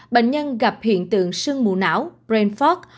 bệnh nhân gặp hiện tượng sương mù não brain fog